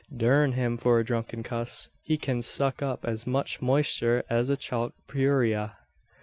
Durn him for a drunken cuss! He kin suck up as much moister as a chalk purayra.